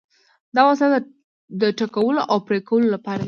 دا وسایل د ټکولو او پرې کولو لپاره وو.